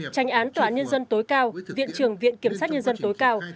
trành án tòa án nhân dân tối cao viện trưởng viện kiểm sát nhân dân tối cao